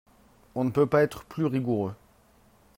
On ne peut pas être plus rigoureux